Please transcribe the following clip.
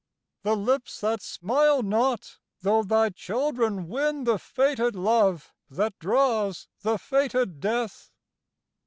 The lips that smile not though thy children win The fated Love that draws the fated Death.